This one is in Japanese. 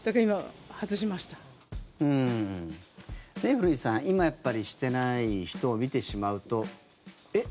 古市さん、今やっぱりしてない人を見てしまうとえっ？